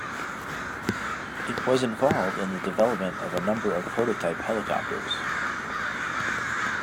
It was involved in the development of a number of prototype helicopters.